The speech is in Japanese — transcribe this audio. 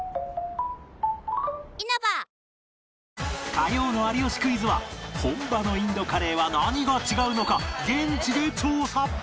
火曜の『有吉クイズ』は本場のインドカレーは何が違うのか現地で調査